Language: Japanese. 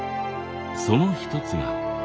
その一つが。